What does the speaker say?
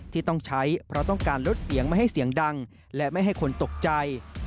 ที่ต้องใช้เพราะต้องการลดเสียงไม่ให้เสียงดังและไม่ให้คนตกใจ